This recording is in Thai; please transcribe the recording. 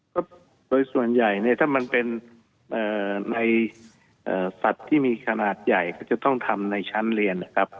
ก็โดยส่วนใหญ่เนี่ยถ้ามันเป็นในสัตว์ที่มีขนาดใหญ่เขาจะต้องทำในชั้นเรียนนะครับ